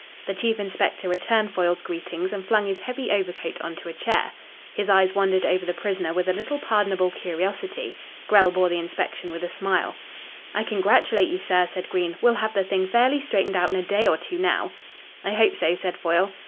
The chief inspector returned Foyle's greetings and flung his heavy overcoat on to a chair. His eyes wandered over the prisoner with a little pardonable curiosity. Grell bore the inspection with a smile. "I congratulate you, sir," said Green. "We'll have the thing fairly straightened out in a day or two now." "I hope so," said Foyle. "Mr.